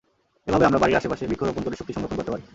এভাবে আমরা বাড়ির আশপাশে বৃক্ষ রোপণ করে শক্তি সংরক্ষণ করতে পারি।